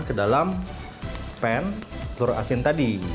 ke dalam pan telur asin tadi